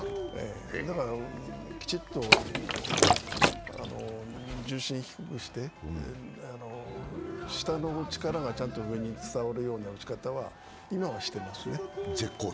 だからきちっと重心低くして下の力がちゃんと上に伝わるような打ち方は今はしていますね。